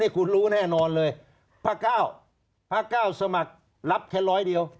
คุณรู้แน่นอนเลยภาค๙ภาค๙สมัครรับแค่ร้อยเดียว